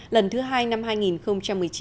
lần thứ hai năm hai nghìn một mươi chín